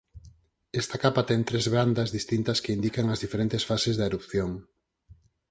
Esta capa ten tres bandas distintas que indican as diferentes fases da erupción.